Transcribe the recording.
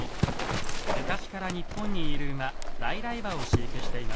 昔から日本にいる馬在来馬を飼育しています。